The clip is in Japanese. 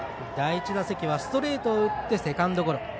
第１打席はストレートを打ってセカンドゴロ。